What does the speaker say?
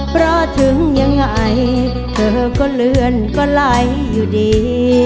เพราะถึงยังไงเธอก็เลื่อนก็ไหลอยู่ดี